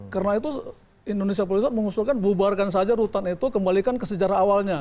karena itu indonesia polri mengusulkan bubarkan saja rutan itu kembalikan ke sejarah awalnya